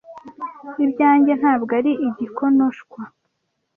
Ibyanjye ntabwo ari igikonoshwa,